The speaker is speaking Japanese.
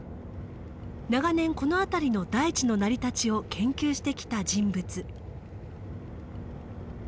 長年この辺りの大地の成り立ちを研究してきた人物。